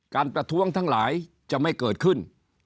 ประท้วงทั้งหลายจะไม่เกิดขึ้น